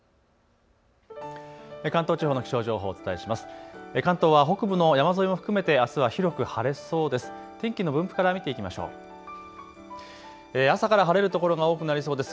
関東地方の気象情報をお伝えします。